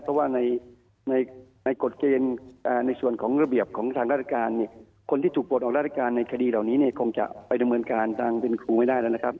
เพราะว่าในกฎเกณฑ์ในส่วนของระเบียบของทางราชการเนี่ยคนที่ถูกปลดออกราชการในคดีเหล่านี้เนี่ยคงจะไปดำเนินการทางเป็นครูไม่ได้แล้วนะครับ